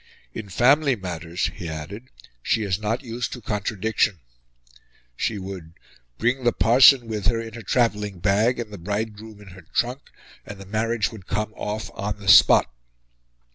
"In family matters," he added, "she is not used to contradiction;" she would "bring the parson with her in her travelling bag and the bridegroom in her trunk, and the marriage would come off on the spot."